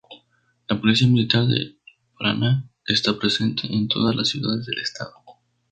La Policía Militar del Paraná está presente en todas las ciudades del Estado.